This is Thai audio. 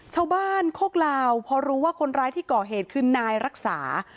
โคกลาวพอรู้ว่าคนร้ายที่ก่อเหตุคือนายรักษา